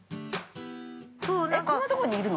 ◆こんなところにいるの？